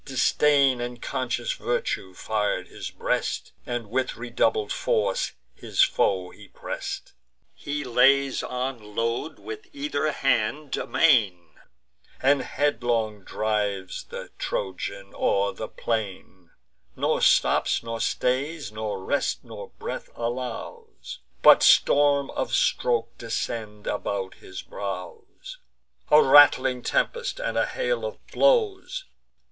Disdain and conscious virtue fir'd his breast, And with redoubled force his foe he press'd. He lays on load with either hand, amain, And headlong drives the Trojan o'er the plain; Nor stops, nor stays; nor rest nor breath allows; But storms of strokes descend about his brows, A rattling tempest, and a hail of blows.